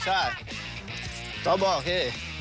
หยุดกินโอเค